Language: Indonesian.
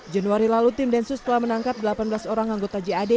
januari lalu tim densus telah menangkap delapan belas orang anggota jad